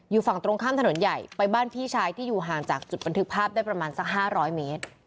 อยู่ฝั่งตรงข้ามถนนใหญ่ไปบ้านพี่ชายที่อยู่ห่างจากจุดบันทึกภาพได้ประมาณสัก๕๐๐เมตร